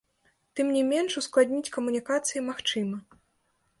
Тым не менш, ускладніць камунікацыі магчыма.